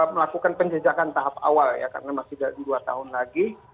melakukan penjejakan tahap awal ya karena masih dua tahun lagi